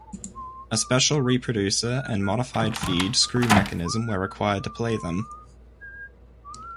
A special reproducer and modified feed screw mechanism were required to play them.